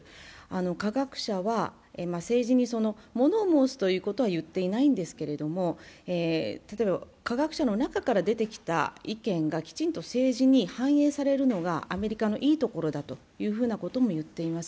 科学者は政治に物を申すということは言っていないんですけれども、例えば科学者の中から出てきた意見がきちんと政治に反映されるのがアメリカのいいところだとも言っています。